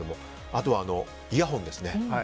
あとはイヤホンですね。